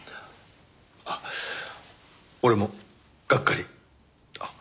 あっ俺もがっかり。